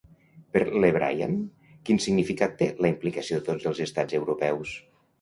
Per Le Brian, quin significat té la implicació de tots els estats europeus?